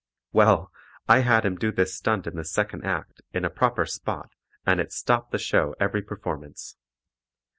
Well, I had him do this stunt in the second act, in a proper spot, and it stopped the show every performance.